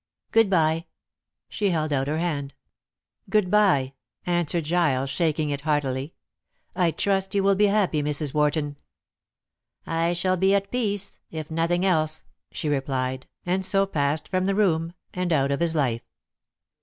Good bye." She held out her hand. "Good bye," answered Giles, shaking it heartily. "I trust you will be happy, Mrs. Wharton." "I shall be at peace, if nothing else," she replied, and so passed from the room, and out of his life.